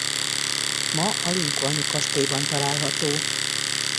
Ma a lincolni kastélyban található.